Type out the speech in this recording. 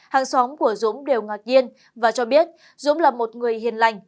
hàng xóm của dũng đều ngạc nhiên và cho biết dũng là một người hiền lành